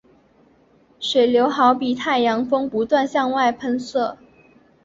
水流好比太阳风不断向外喷射。